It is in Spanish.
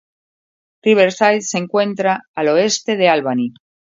Riverside se encuentra al oeste de Albany.